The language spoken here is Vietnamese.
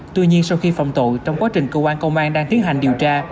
tuy nhiên sau khi phòng tội trong quá trình cơ quan công an đang tiến hành điều tra